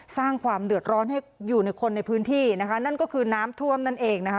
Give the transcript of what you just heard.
สร้างความเดือดร้อนให้อยู่ในคนในพื้นที่นะคะนั่นก็คือน้ำท่วมนั่นเองนะคะ